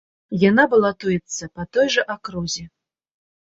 Яна балатуецца па той жа акрузе.